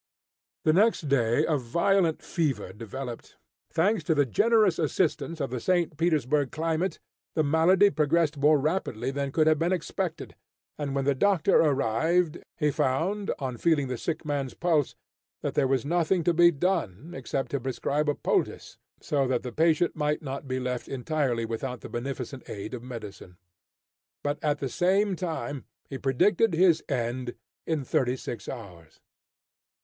The next day a violent fever developed. Thanks to the generous assistance of the St. Petersburg climate, the malady progressed more rapidly than could have been expected, and when the doctor arrived, he found, on feeling the sick man's pulse, that there was nothing to be done, except to prescribe a poultice, so that the patient might not be left entirely without the beneficent aid of medicine. But at the same time, he predicted his end in thirty six hours.